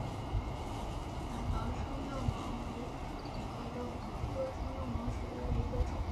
伞房双药芒为禾本科双药芒属下的一个种。